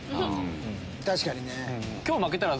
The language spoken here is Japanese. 確かにね。